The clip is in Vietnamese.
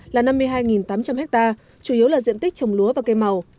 là năm mươi hai tám trăm linh ha chủ yếu là diện tích trồng lúa và cây màu